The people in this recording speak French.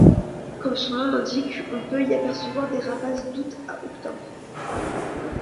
Comme son nom l'indique, on peut y apercevoir des rapaces d'août à octobre.